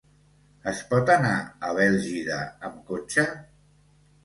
Es pot anar a Bèlgida amb cotxe?